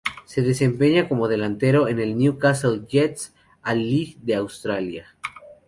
Se desempeña como delantero en el Newcastle Jets de la A-League de Australia.